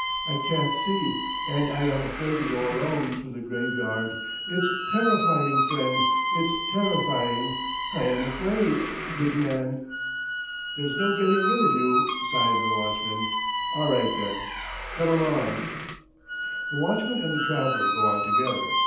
I can't see, and I am afraid to go alone through the graveyard. It's terrifying, friend, it's terrifying; I am afraid, good man." "There's no getting rid of you," sighs the watchman. "All right then, come along." The watchman and the traveller go on together.